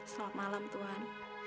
selamat malam tuhan